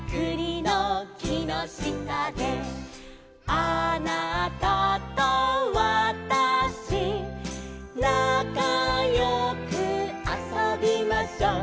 「あなたとわたし」「なかよくあそびましょう」